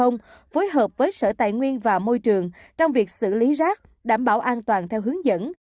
phối hợp với sở tài nguyên và môi trường trong việc xử lý rác đảm bảo an toàn theo hướng dẫn